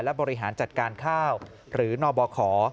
และบริหารจัดการข้าวหรือนบข